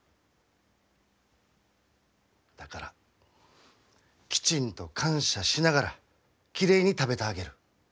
だからきちんと感謝しながらきれいに食べてあげる。